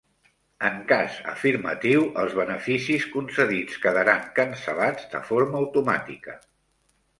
En cas afirmatiu, els beneficis concedits quedaran cancel·lats de forma automàtica.